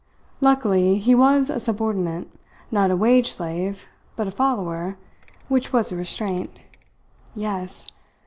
Luckily he was a subordinate, not a wage slave but a follower which was a restraint. Yes!